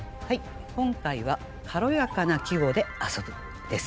今回は「かろやかな季語で遊ぶ」です。